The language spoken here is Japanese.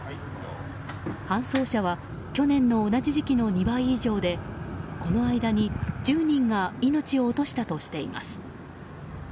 搬送者は去年の同じ時期の２倍以上でこの間に１０人が命を落としたとしています。